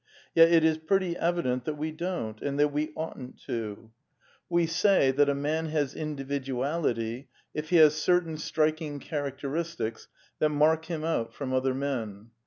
Yet it is pretty evident that we don't, and that we oughtn't to. We say that a 1 / vu \ 2 A DEFENCE OF IDEALISM man has individuality if he has certain striking character istics that mark him out from other men.